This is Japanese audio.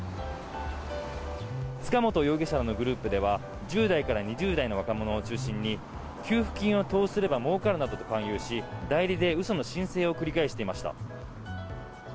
塚本容疑者らのグループでは１０代から２０代の若者を中心に給付金を投資すればもうかるなどと勧誘し代理で嘘の申請を繰り返していました。